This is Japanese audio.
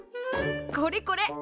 これこれ！